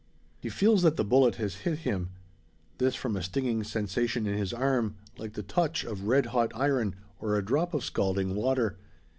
He feels that the bullet has hit him. This, from a stinging sensation in his arm, like the touch of red hot iron, or a drop of scalding water.